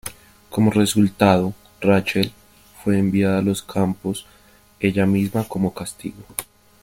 Como resultado, Rachel fue enviada a los campos ella misma como castigo.